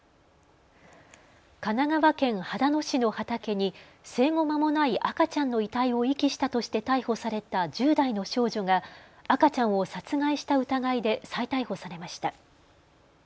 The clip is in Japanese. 神奈川県秦野市の畑に生後まもない赤ちゃんの遺体を遺棄したとして逮捕された１０代の少女が赤ちゃんを殺害した疑いで再逮捕されました。